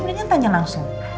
mendingan tanya langsung